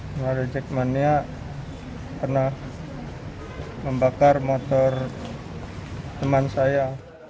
jika ada jack mania pernah membakar motor teman saya